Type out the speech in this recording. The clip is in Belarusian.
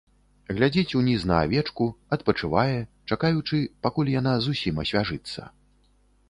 Глядзіць уніз на авечку, адпачывае, чакаючы, пакуль яна зусім асвяжыцца.